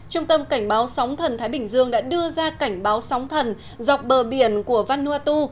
trung tâm cảnh báo sóng thần thái bình dương đã đưa ra cảnh báo sóng thần dọc bờ biển của vanuatu